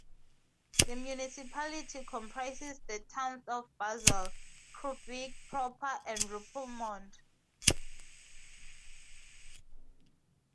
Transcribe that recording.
The municipality comprises the towns of Bazel, Kruibeke proper and Rupelmonde.